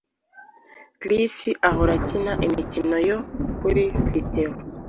Chris ahora akina imikino yo kuri videwo